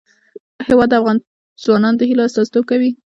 هوا د افغان ځوانانو د هیلو استازیتوب کوي.